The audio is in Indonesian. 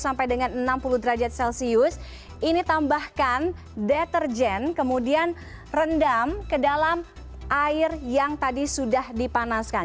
sampai dengan enam puluh derajat celcius ini tambahkan deterjen kemudian rendam ke dalam air yang tadi sudah dipanaskan